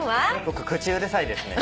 僕「口うるさい」ですね。